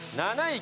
７位。